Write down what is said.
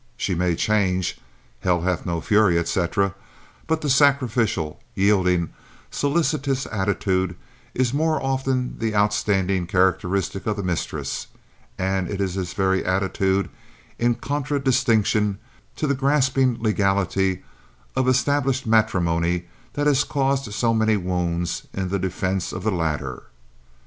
She may change—Hell hath no fury, etc.—but the sacrificial, yielding, solicitous attitude is more often the outstanding characteristic of the mistress; and it is this very attitude in contradistinction to the grasping legality of established matrimony that has caused so many wounds in the defenses of the latter.